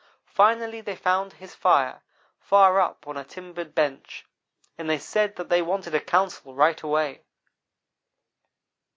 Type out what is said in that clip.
Finally they found his fire, far up on a timbered bench, and they said that they wanted a council right away.